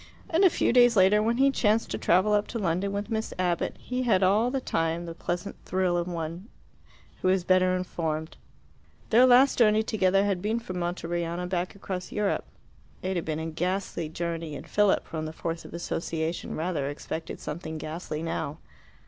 And a few days later, when he chanced to travel up to London with Miss Abbott, he had all the time the pleasant thrill of one who is better informed. Their last journey together had been from Monteriano back across Europe. It had been a ghastly journey, and Philip, from the force of association, rather expected something ghastly now.